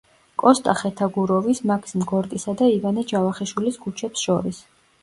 კოსტა ხეთაგუროვის, მაქსიმ გორკისა და ივანე ჯავახიშვილის ქუჩებს შორის.